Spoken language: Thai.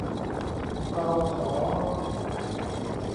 เราขอ